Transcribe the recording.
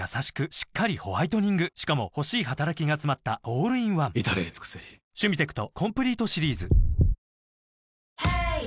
しっかりホワイトニングしかも欲しい働きがつまったオールインワン至れり尽せり「ポリデント」